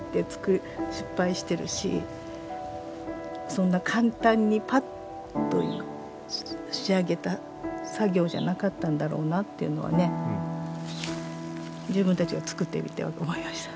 そんな簡単にパッと仕上げた作業じゃなかったんだろうなっていうのはね自分たちがつくってみて思いました。